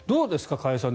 加谷さん